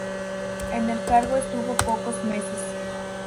En el cargo estuvo pocos meses.